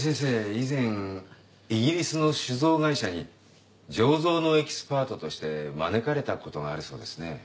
以前イギリスの酒造会社に醸造のエキスパートとして招かれたことがあるそうですね。